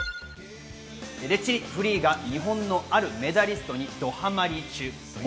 レッチリ、フリーが日本のあるメダリストにドハマリ中です。